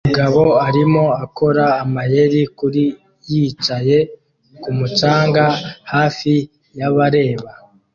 Umugabo arimo akora amayeri kuri yicaye kumu canga hafi yabareba